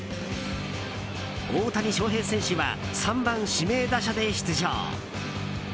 大谷翔平選手は３番指名打者で出場。